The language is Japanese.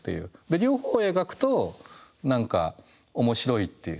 で両方を描くと何か面白いって。